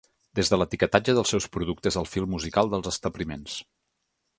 Des de l’etiquetatge dels seus productes al fil musical dels establiments.